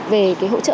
về cái hỗ trợ